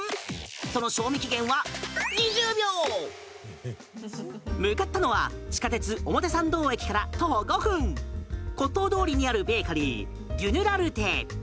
その賞味期限は２０秒！ということで向かったのは表参道駅から徒歩５分骨董通りにあるベーカリーデュヌ・ラルテ。